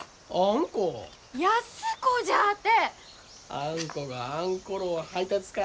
あんこがあんころを配達か。